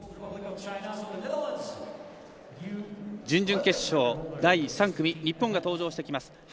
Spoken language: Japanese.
準々決勝、第３組日本が登場してきます。